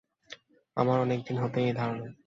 আমার অনেক দিন হতেই ঐ ধারণা।